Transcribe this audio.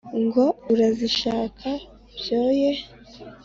ngo urazishatsa, byoye